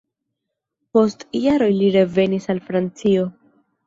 Post jaroj li revenis al Francio.